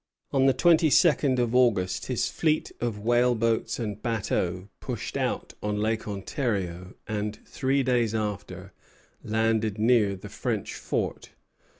On the twenty second of August his fleet of whaleboats and bateaux pushed out on Lake Ontario; and, three days after, landed near the French fort.